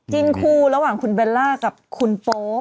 คู่ระหว่างคุณเบลล่ากับคุณโป๊ป